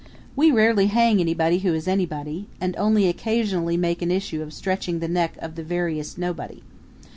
We rarely hang anybody who is anybody, and only occasionally make an issue of stretching the neck of the veriest nobody.